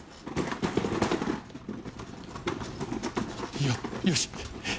いいよよし！